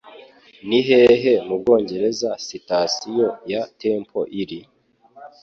Nihehe mubwongereza sitasiyo ya Temple iri?